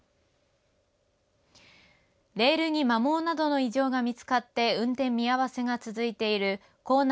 レールに摩耗などの異常が見つかって運転見合わせが続いている弘南